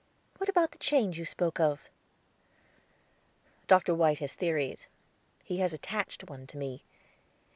What about the change you spoke of?" "Dr. White has theories; he has attached one to me.